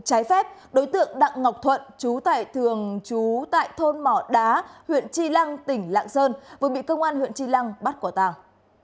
trái phép đối tượng đặng ngọc thuận trú tại thường trú tại thôn mỏ đá huyện tri lăng tỉnh lạng sơn vừa bị công an huyện tri lăng bắt quả tàng